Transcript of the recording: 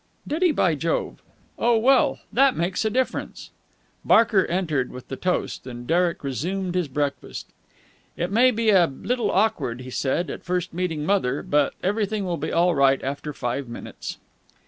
"Did he, by Jove! Oh, well, that makes a difference." Barker entered with the toast, and Derek resumed his breakfast. "It may be a little bit awkward," he said, "at first, meeting mother. But everything will be all right after five minutes."